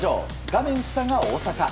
画面下が大坂。